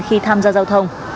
khi tham gia giao thông